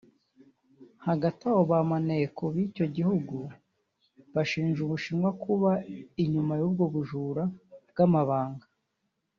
Hagati aho ba maneko b’icyo gihugu bashinja u Bushinwa kuba inyuma y’ubwo bujura bw’amabanga